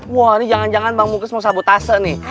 wah ini jangan jangan bang muklis mau sabutase nih